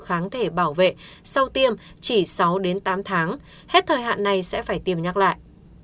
kháng thể bảo vệ sau tiêm chỉ sáu đến tám tháng hết thời hạn này sẽ phải tiêm nhắc lại